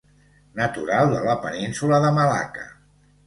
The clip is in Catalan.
Natural de la península de Malaca.